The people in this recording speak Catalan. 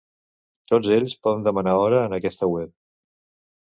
Tots ells poden demanar hora en aquesta web.